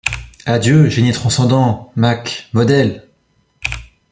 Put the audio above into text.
Adieu, génie transcendant, maç... modèle!